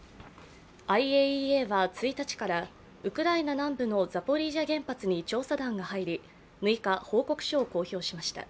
ＩＡＥＡは１日から、ウクライナ南部のザポリージャ原発に調査団が入り、６日、報告書を公表しました。